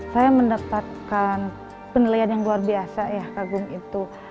saya mendapatkan penilaian yang luar biasa ya kagum itu